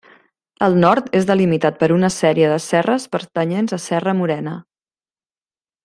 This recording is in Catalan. El nord és delimitat per una sèrie de serres pertanyents a Serra Morena.